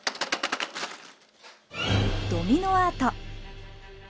「ドミノアート」。